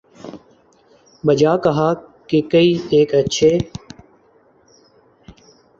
'بجا کہا کہ کئی ایک اچھے